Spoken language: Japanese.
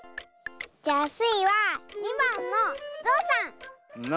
じゃあスイは２ばんのゾウさん！